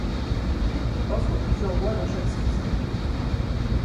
Le pont offre plusieurs voies dans chaque sens.